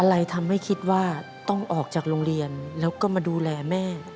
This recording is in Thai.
อะไรทำให้คิดว่าต้องออกจากโรงเรียนแล้วก็มาดูแลแม่